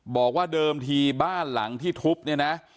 บอกว่าเดิมทีบ้านหลังที่ทุบเนี่ยนะ